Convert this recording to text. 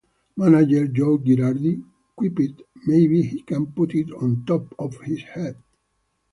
Manager Joe Girardi quipped, Maybe he can put it on top of his head.